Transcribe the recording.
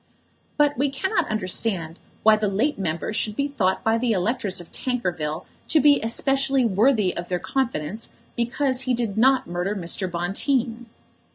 But we cannot understand why the late member should be thought by the electors of Tankerville to be especially worthy of their confidence because he did not murder Mr. Bonteen.